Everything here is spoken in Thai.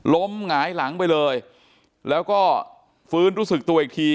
หงายหลังไปเลยแล้วก็ฟื้นรู้สึกตัวอีกที